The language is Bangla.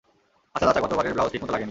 আচ্ছা চাচা, গত বারের ব্লাউজ ঠিক মতো লাগেনি।